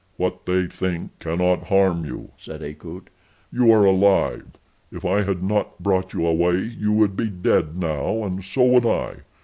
"What they think cannot harm you," said Akut. "You are alive. If I had not brought you away you would be dead now and so would I.